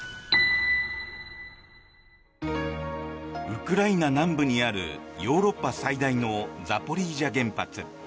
ウクライナ南部にあるヨーロッパ最大のザポリージャ原発。